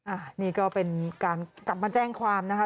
อันนี้ก็เป็นการกลับมาแจ้งความนะคะ